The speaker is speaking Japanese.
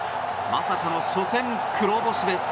まさかの初戦黒星です。